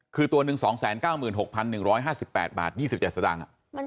คือตัวนึง๒๙๖๑๕๘บาท๒๗สตรัง